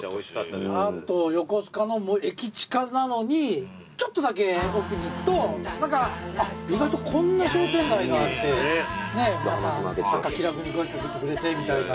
あと横須賀の駅近なのにちょっとだけ奥に行くと意外とこんな商店街があって皆さん気楽に声掛けてくれてみたいな。